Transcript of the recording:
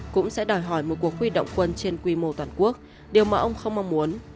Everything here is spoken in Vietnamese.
cũng sẽ đòi hỏi một cuộc huy động quân trên quy mô toàn quốc điều mà ông không mong muốn